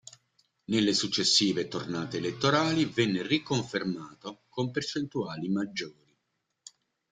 Nelle successive tornate elettorali venne riconfermato con percentuali maggiori.